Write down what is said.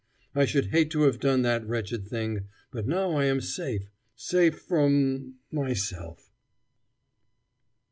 I should hate to have done that wretched thing, but now I am safe safe from myself."